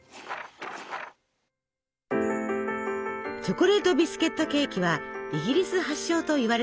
チョコレートビスケットケーキはイギリス発祥といわれています。